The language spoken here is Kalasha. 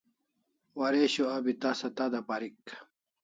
Waresho abi tasa tada parik